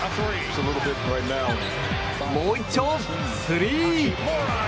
もういっちょ、スリー！